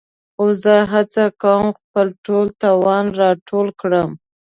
خو زه هڅه کوم خپل ټول توان راټول کړم.